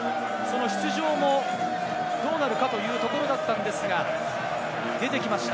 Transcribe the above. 出場もどうなるかというところだったんですが、出てきました。